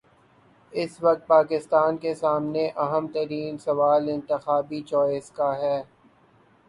اس وقت پاکستان کے سامنے اہم ترین سوال انتخابی چوائس کا ہے۔